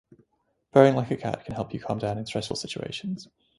Purring like a cat can help you calm down in stressful situations.